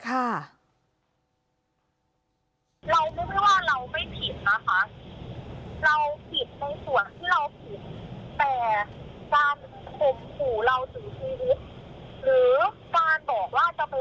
ตอนนี้หนูขอพูดตรงมาครับเพราะเขาจะใช้ตำรวจมาอ้างกับเราเสมอ